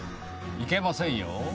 いけませんよ。